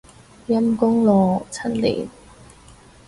陰功咯，七年